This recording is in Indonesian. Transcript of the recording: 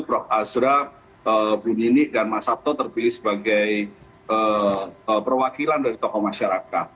prof azra ibu nunik dan mas sato terpilih sebagai perwakilan dari tokoh masyarakat